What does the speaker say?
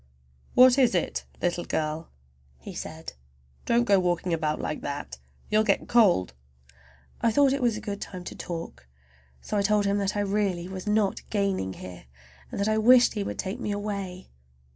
"What is it, little girl?" he said. "Don't go walking about like that—you'll get cold." I thought it was a good time to talk, so I told him that I really was not gaining here, and that I wished he would take me away.